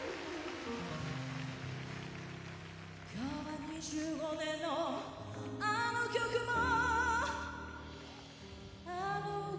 「今日は２５年のあの曲もあの歌も」